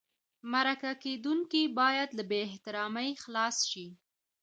مرکه کېدونکی باید له بې احترامۍ خلاص شي.